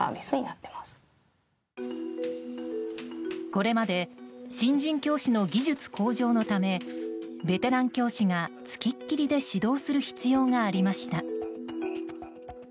これまで新人教師の技術向上のためベテラン教師がつきっきりで指導する必要がありました。